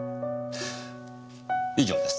以上です。